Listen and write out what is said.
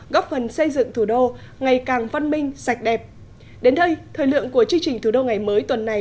góp phần xây dựng thủ đô ngày càng văn hóa